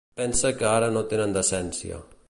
Pensa que ara no tenen decència.